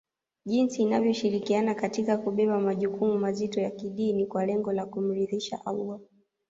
jinsi inavyoshirikiana katika kubeba majukumu mazito ya kidini kwa lengo la kumridhisha Allah